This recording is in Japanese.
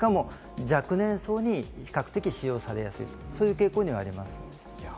しかも、若年層に比較的使用されやすいという傾向にもあります。